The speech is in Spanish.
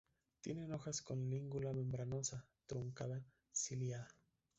Tiene hojas con lígula membranosa, truncada, ciliada.